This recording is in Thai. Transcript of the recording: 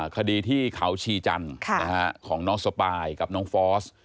คดีที่เขาชีจันทร์ของน้องสปายกับน้องฟอส